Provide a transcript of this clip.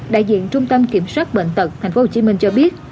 đại diện trung tâm kiểm soát bệnh tật tp hcm cho biết